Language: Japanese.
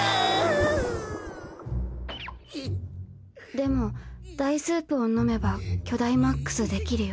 でもダイスープを飲めばキョダイマックスできるよ。